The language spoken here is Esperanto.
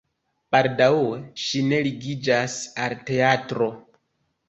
Baldaŭe ŝi ne ligiĝas al teatro.